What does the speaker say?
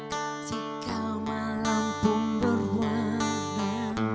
ketika malam pun berwarna